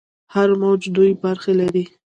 هر موج دوې برخې لري.